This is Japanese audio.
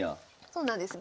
そうなんです。